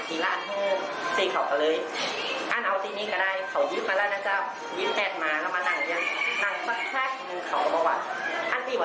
คุณยังไงมาจากไหนพิษที่จะอยากมาสร้างคือโหวไซด์